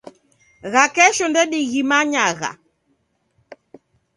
Gha kesho ndedighimanyagha.